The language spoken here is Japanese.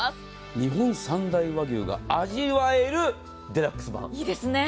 日本三大和牛が味わえるデラックス版。